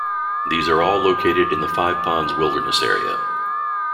These are all located in the Five Ponds Wilderness Area.